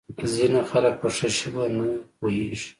ځینې خلک په ښه ژبه نه پوهیږي.